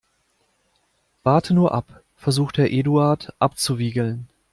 Warte nur ab, versucht Herr Eduard abzuwiegeln.